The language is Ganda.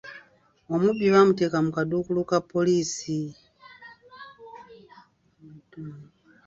Omubbi baamuteeka mu kaduukulu ka poliisi.